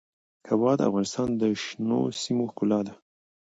هوا د افغانستان د شنو سیمو ښکلا ده.